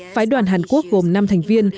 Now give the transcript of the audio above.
phái đoàn hàn quốc gồm năm thành viên